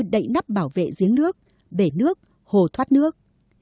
đậy nắp bảo vệ giếng nước bể nước hồ thoát nước